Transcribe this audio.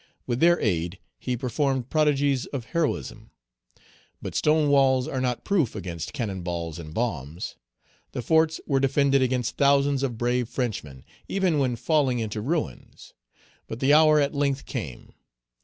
With their aid, he performed prodigies of heroism. But stone walls are not proof against cannon balls and bombs. The forts were defended against thousands of brave Frenchmen, even when falling into ruins. But the hour at length came.